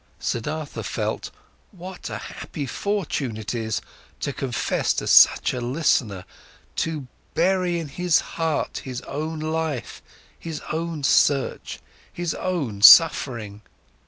Siddhartha felt, what a happy fortune it is, to confess to such a listener, to bury in his heart his own life, his own search, his own suffering.